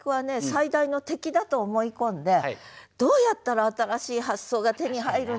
最大の敵だと思い込んで「どうやったら新しい発想が手に入るんだろう？」って